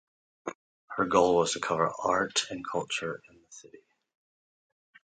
Her goal was to cover art and culture in the city.